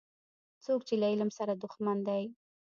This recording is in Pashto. څوک چي له علم سره دښمن دی